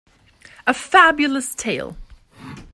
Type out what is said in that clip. A Fabulous tale.